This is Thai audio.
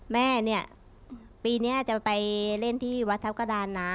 แม่เนี่ยปีนี้จะไปเล่นที่วัดทัพกระดานนะ